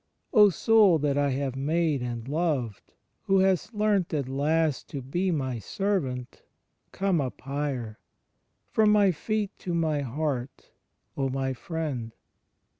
"O Soul that I have made and loved, who hast learnt at last to be my servant, come up higher, from my Feet to my Heart, O my friend